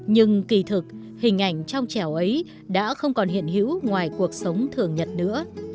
nhưng kỳ thực hình ảnh trong chẻo ấy đã không còn hiện hữu ngoài cuộc sống thường nhật nữa